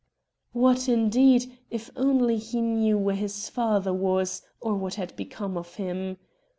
What, indeed, if only he knew where his father was, or what had become of him